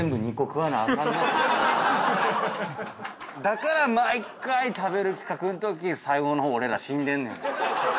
だから毎回食べる企画のとき最後の方俺ら死んでんねん！